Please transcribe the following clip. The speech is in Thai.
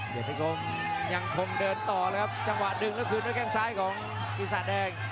เกียรติคมยังคงเดินต่อเลยครับจังหวะดึงแล้วคืนด้วยแข้งซ้ายของปีศาจแดง